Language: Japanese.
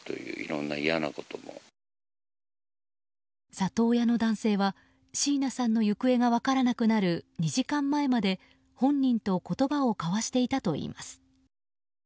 里親の男性は椎名さんの行方が分からなくなる２時間前まで本人と言葉を交わしていたといいます。